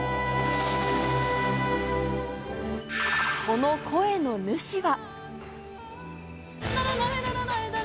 この声の主は。